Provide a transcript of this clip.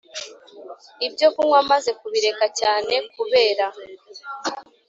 Ibyokunywa maze kubireka cyane kubera